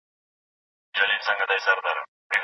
ولي زده کوونکي په مورنۍ ژبه کي بحث ښه کوي؟